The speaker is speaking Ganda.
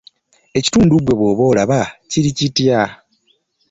Ekitundu ggwe bw'oba olaba kiri kitya?